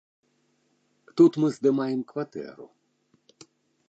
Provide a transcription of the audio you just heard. Тут мы здымаем кватэру.